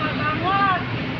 malah turun malah naik terus